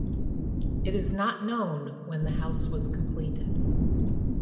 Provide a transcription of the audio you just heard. It is not known when the house was completed.